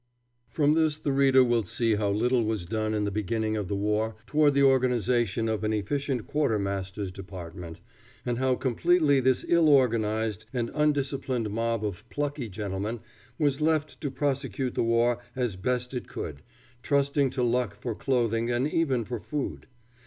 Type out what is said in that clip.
From this the reader will see how little was done in the beginning of the war toward the organization of an efficient quartermaster's department, and how completely this ill organized and undisciplined mob of plucky gentlemen was left to prosecute the war as best it could, trusting to luck for clothing and even for food.